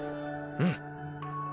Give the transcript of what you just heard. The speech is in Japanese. うん。